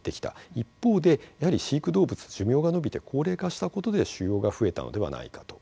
一方で、やはり飼育動物寿命が延びて高齢化したことで腫瘍が増えたのではないかと。